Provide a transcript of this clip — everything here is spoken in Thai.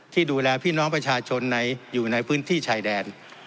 ที่ดูแลพี่น้องประชาชนอยู่ในพื้นที่ชายแดน